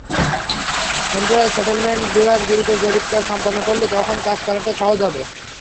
Settlement বিভাগ দ্রুত জরিপকাজ সম্পন্ন করলে তখন কাজ করাটা সহজ হবে।